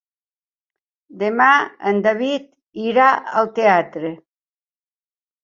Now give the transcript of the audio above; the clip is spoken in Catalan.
Demà en David irà al teatre.